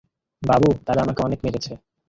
বাবু, তারা আমকে অনেক মেরেছে।